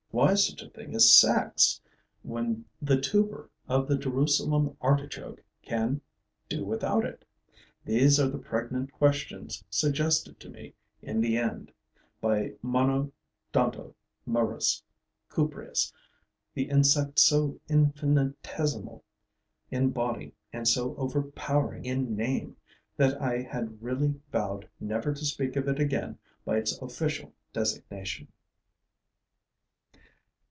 Why such a thing as sex, when the tuber of the Jerusalem artichoke can do without it? These are the pregnant questions suggested to me, in the end, by Monodontomerus cupreus, the insect so infinitesimal in body and so overpowering in name that I had really vowed never to speak of it again by its official designation.